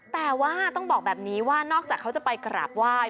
แต่ว่าต้องบอกแบบนี้ว่านอกจากเขาจะไปกราบไหว้